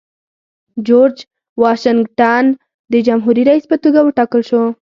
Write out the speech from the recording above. جورج واشنګټن د جمهوري رئیس په توګه وټاکل شو.